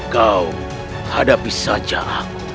kau hadapi saja aku